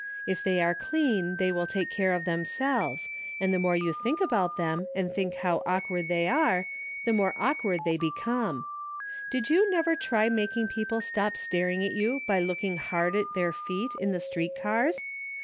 If they are clean they will take care of themselves, and the more you DAILY rate:' 235 think about tliem and think how awkward they are, the more awkward they become. Did you never try making people stop staring at you by looking hard at their feet in the street cars?